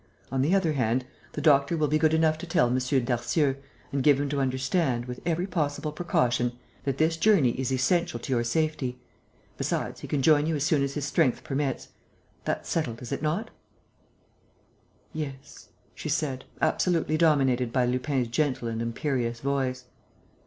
On the other hand, the doctor will be good enough to tell M. Darcieux and give him to understand, with every possible precaution, that this journey is essential to your safety. Besides, he can join you as soon as his strength permits.... That's settled, is it not?" "Yes," she said, absolutely dominated by Lupin's gentle and imperious voice.